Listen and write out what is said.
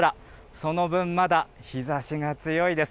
その分、まだ日ざしが強いです。